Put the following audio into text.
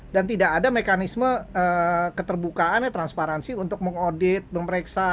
dan tidak ada mekanisme keterbukaannya transparansi untuk mengaudit memeriksa